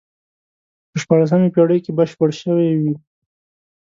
په شپاړسمې پېړۍ کې بشپړ شوی وي.